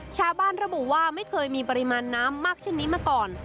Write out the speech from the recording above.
ชาวบ้านระบุว่าไม่เคยมีปริมาณน้ำมากเช่นนี้มาก่อน